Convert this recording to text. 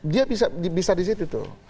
dia bisa di situ tuh